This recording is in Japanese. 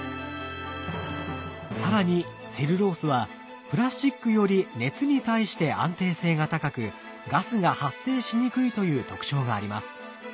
更にセルロースはプラスチックより熱に対して安定性が高くガスが発生しにくいという特徴があります。